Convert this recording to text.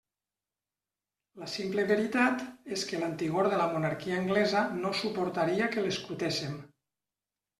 La simple veritat és que l'antigor de la monarquia anglesa no suportaria que l'escrutéssem.